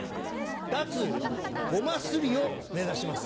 脱ごますりを目指します。